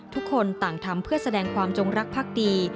ทุกคนต่างทำเพื่อแสดงความจงรักภักดี